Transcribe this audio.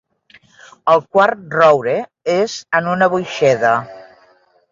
El quart roure és en una boixeda.